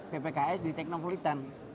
ppks di teknokulitan